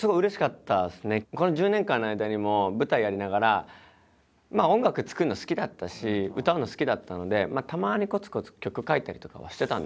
この１０年間の間にも舞台やりながらまあ音楽作るの好きだったし歌うの好きだったのでたまにこつこつ曲書いたりとかはしてたんですよ。